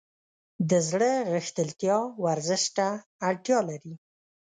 د زړه غښتلتیا ورزش ته اړتیا لري.